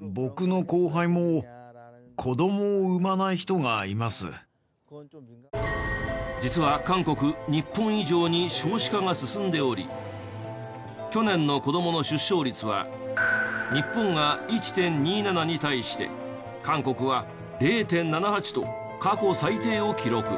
僕の後輩も実は韓国日本以上に少子化が進んでおり去年の子どもの出生率は日本が１．２７に対して韓国は０．７８と過去最低を記録。